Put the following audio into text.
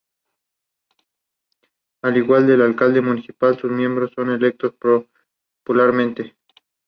Al igual que el Alcalde Municipal sus miembros son electos popularmente.